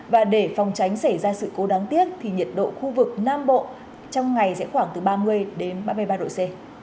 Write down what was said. và để phòng tránh xảy ra sự cố đáng tiếc thì nhiệt độ khu vực nam bộ trong ngày sẽ khoảng từ ba mươi đến ba mươi ba độ c